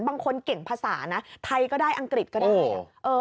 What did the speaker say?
บางคนเก่งภาษานะไทยก็ได้อังกฤษก็ได้